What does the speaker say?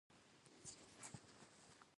عبیدالله یو عربي مکتب هم تاسیس کړ.